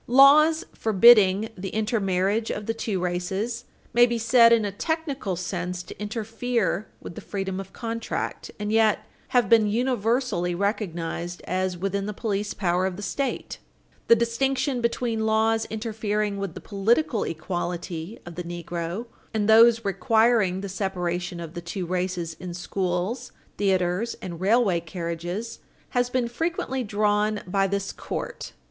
Laws forbidding the intermarriage of the two races may be said in a technical sense to interfere with the freedom of contract, and yet have been universally recognized as within the police power of the State. State v. Gibson, 36 Indiana 389. The distinction between laws interfering with the political equality of the negro and those requiring the separation of the two races in schools, theatres and railway carriages has been frequently drawn by this court.